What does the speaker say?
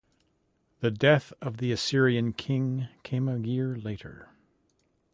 The death of the Assyrian king came a year later.